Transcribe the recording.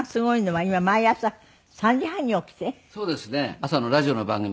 朝のラジオの番組